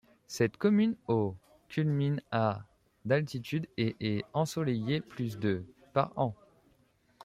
Cette commune aux culmine à d'altitude et est ensoleillée plus de par an.